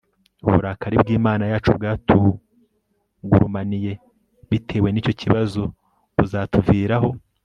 uburakari bw Imana yacu bwatugurumaniye bitewe n icyo kibazo buzatuviraho